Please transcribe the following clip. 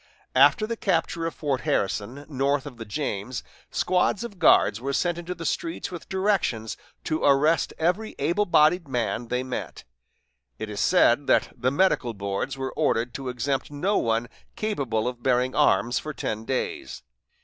After the capture of Fort Harrison, north of the James, squads of guards were sent into the streets with directions to arrest every able bodied man they met. It is said that the medical boards were ordered to exempt no one capable of bearing arms for ten days.